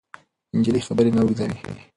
نجلۍ خبرې نه اوږدوي.